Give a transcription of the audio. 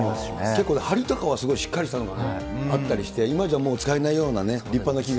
結構、はりとかはすごいしっかりものがあったりして、今じゃ使えないようなね、立派な木が。